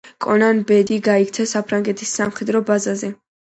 კონან ბედი გაიქცა საფრანგეთის სამხედრო ბაზაზე.